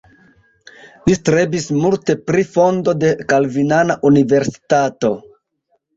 Li strebis multe pri fondo de kalvinana universitato.